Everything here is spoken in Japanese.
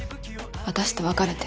私と別れて。